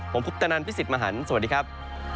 ผมคุปตนันพี่สิทธิ์มหันฯสวัสดีครับ